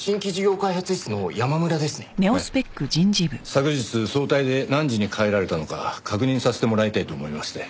昨日早退で何時に帰られたのか確認させてもらいたいと思いまして。